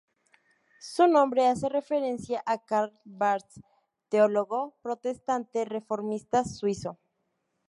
Su nombre hace referencia a Karl Barth, teólogo protestante reformista suizo.